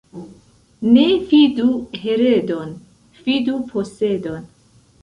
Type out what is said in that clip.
Ne fidu heredon, fidu posedon.